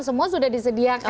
semua sudah disediakan